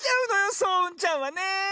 そううんちゃんはねえ。